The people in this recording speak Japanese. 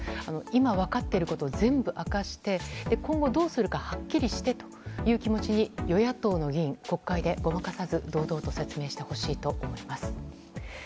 今分かっていることを全部明かして今後どうするかはっきりしてという気持ちに与野党の議員国会でごまかさず、堂々と説明してほしいと思います。